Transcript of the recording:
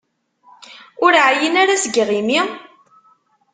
Ur εyin ara seg yiɣimi?